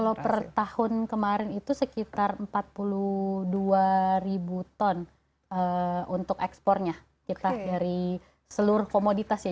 kalau per tahun kemarin itu sekitar empat puluh dua ribu ton untuk ekspornya kita dari seluruh komoditas ya